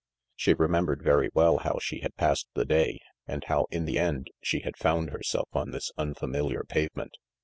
She remembered very well how she had passed the day, and how, in the end, she had found herself on this unfamiliar pavement.